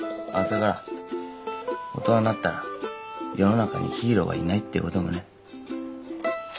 あっそれから大人になったら世の中にヒーローはいないってこともね。